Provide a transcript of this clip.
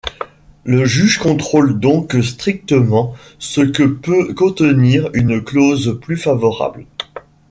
Le juge contrôle donc strictement ce que peut contenir une clause plus favorable.